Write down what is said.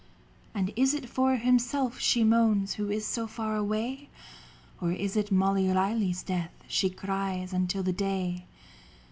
And is it for himself she moans. Who is so far away ? Or is it Molly Reilly's death She cries until the day